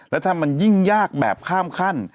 แล้วถ้ามันยิ่งยากแบบข้ามขั้น